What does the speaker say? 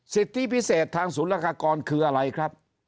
สิทธิพิเศษทางศูนย์ละกากรคืออะไรครับ